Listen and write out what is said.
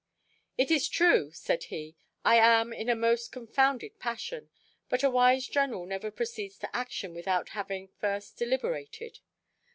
"It is true," said he, "I am in a most confounded passion, but a wise general never proceeds to action without having first deliberated.